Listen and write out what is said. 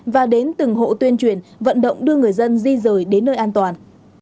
và đến từng hộ tuyên truyền vận động đưa người dân di rời đến nơi an toàn